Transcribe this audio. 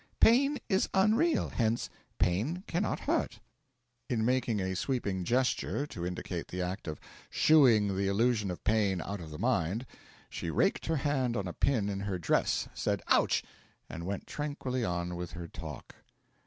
Pain is unreal; hence pain cannot hurt.' In making a sweeping gesture to indicate the act of shooing the illusion of pain out of the mind, she raked her hand on a pin in her dress, said 'Ouch!' and went tranquilly on with her talk.